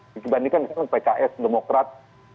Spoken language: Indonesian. dibandingkan dengan pks demokrat